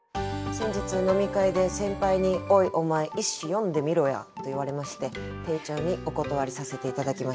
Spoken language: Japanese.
先日飲み会で先輩に「おいお前一首詠んでみろや」と言われまして丁重にお断りさせて頂きました。